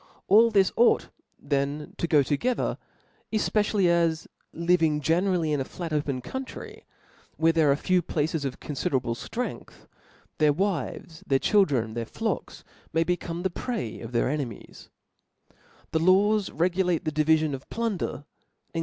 Ali this ought then to go toge ther, efpecially as living generally in a flat opea country, where there are few places of confiderable ftrength,. their wives, their children, their flocks, m^y become the prey of their enemies. Their 4IO T H E S P I R I T xvm'^ Their laws regulate the diviGon of plunder, and Cbap.